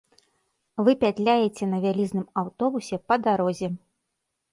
Вы пятляеце на вялізным аўтобусе па дарозе.